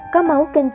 có máu kinh doanh